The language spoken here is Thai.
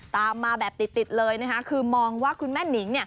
ตามมาแบบติดเลยนะคะคือมองว่าคุณแม่นิง